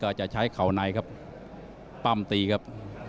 อาจจะใช้เข่าในครับปั้มตีครับ